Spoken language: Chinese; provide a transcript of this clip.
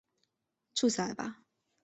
住下来吧